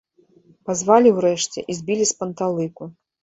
Пазвалі ўрэшце і збілі з панталыку.